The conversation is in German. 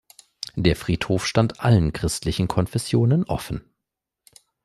Der Friedhof stand allen christlichen Konfessionen offen.